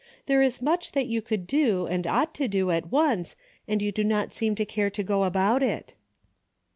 There is much that you could do and ought to do at once, and you do not seem to care to go about it."